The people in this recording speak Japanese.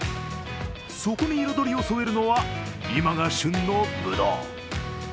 そこに彩りを添えるのは今が旬のぶどう。